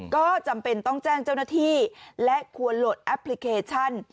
ก็จำเป็นต้องแจ้งเจ้าหน้าที่และควรโหลดแอปพลิเคชัน